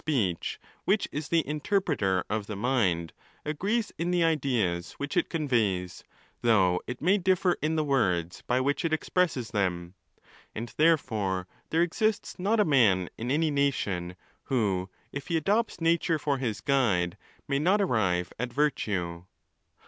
speech which is the interpreter of the mind, agrees in the ideas which it conveys, though it may differ in the words by which it expresses them. And therefore there exists not a man in any nation, who, if he adopts nature for his guide, may not arrive at virtue.